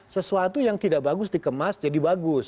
sesuatu yang tidak bagus dikemas jadi bagus